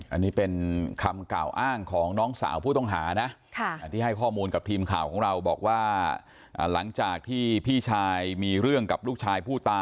อันนี้เป็นคำกล่าวอ้างของน้องสาวผู้ต้องหานะที่ให้ข้อมูลกับทีมข่าวของเราบอกว่าหลังจากที่พี่ชายมีเรื่องกับลูกชายผู้ตาย